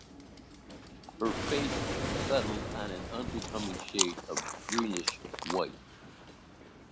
Her face settled on an unbecoming shade of greenish white.